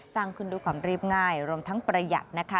สร้างขึ้นด้วยความเรียบง่ายรวมทั้งประหยัดนะคะ